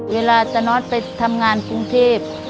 เวลาจานอทไปทำงานกรุงเทพ